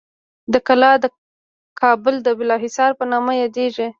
دا کلا د کابل د بالاحصار په نامه یادیږي.